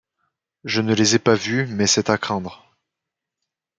Je ne les ai pas vues, mais c’est à craindre